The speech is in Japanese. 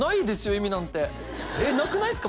意味なんてなくないっすか？